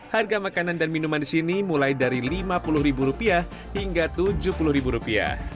harga makanan dan minuman di sini mulai dari lima puluh ribu rupiah hingga tujuh puluh ribu rupiah